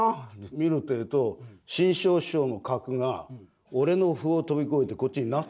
見るってえと志ん生師匠の角が俺の歩を飛び越えてこっちになってる。